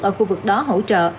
ở khu vực đó hỗ trợ